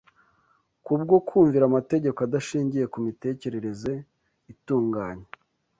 kubwo kumvira amategeko adashingiye ku mitekerereze itunganye,